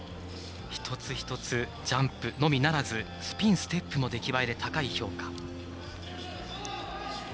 一つ一つ、ジャンプのみならずスピン、ステップも出来栄えで高い評価。